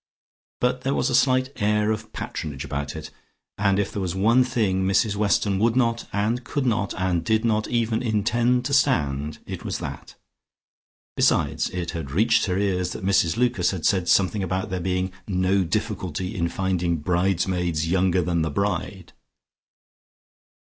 But there was a slight air of patronage about it, and if there was one thing Mrs Weston would not, and could not and did not even intend to stand, it was that. Besides it had reached her ears that Mrs Lucas had said something about there being no difficulty in finding bridesmaids younger than the bride.